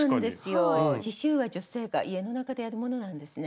刺しゅうは女性が家の中でやるものなんですね。